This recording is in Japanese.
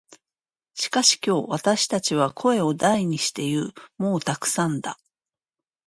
しかし今日、私たちは声を大にして言う。「もうたくさんだ」。